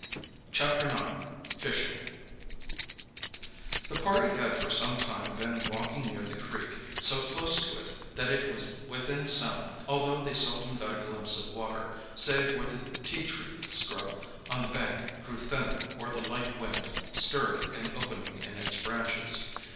CHAPTER IX. FISHING The party had for some time been walking near the creek, so close to it that it was within sound, although they seldom got a glimpse of water, save where the ti tree scrub on the bank grew thinner or the light wind stirred an opening in its branches.